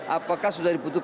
apakah sudah diputuskan